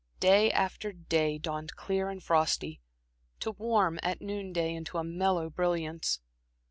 Day after day dawned clear and frosty, to warm at noon day into a mellow brilliance.